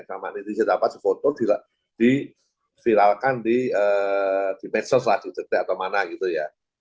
sama netizen dapat sefoto diviralkan di medsos lah di cektek atau mana gitu ya